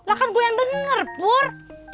lah kan gue yang denger pur